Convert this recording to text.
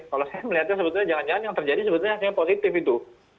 kalau saya melihatnya sebetulnya jangan jangan yang terjadi sebetulnya positif itu